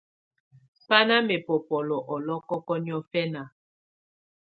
Bá nà mɛbɔbɔlɔ̀ ɔlɔ̀kɔkɔ̀ niɔ̀̀fɛna.